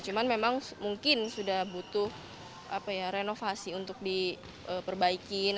cuman memang mungkin sudah butuh renovasi untuk diperbaikin